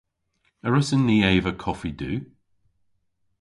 A wrussyn ni eva koffi du?